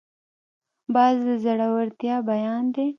باز د زړورتیا بیان دی